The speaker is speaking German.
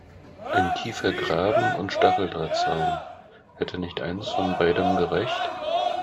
Ein tiefer Graben und Stacheldrahtzaun – hätte nicht eines von beidem gereicht?